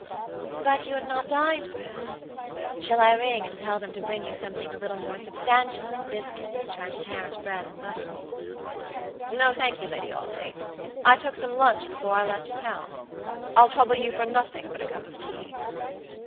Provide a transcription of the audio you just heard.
"But you have not dined, perhaps? Shall I ring and tell them to bring you something a little more substantial than biscuits and transparent bread and butter?" "No, thank you, Lady Audley. I took some lunch before I left town. I'll trouble you for nothing but a cup of tea."